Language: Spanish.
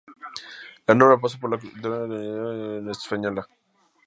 La sombra pasó por la actual Nicaragua y la isla de La Española.